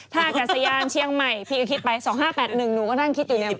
อากาศยานเชียงใหม่พี่ก็คิดไป๒๕๘๑หนูก็นั่งคิดอยู่เนี่ย